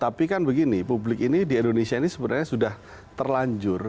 tapi kan begini publik ini di indonesia ini sebenarnya sudah terlanjur